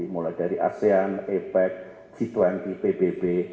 mulai dari asean efek g dua puluh pbb